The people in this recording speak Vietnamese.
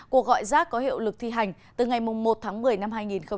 cuộc gọi rác có hiệu lực thi hành từ ngày một tháng một mươi năm hai nghìn hai mươi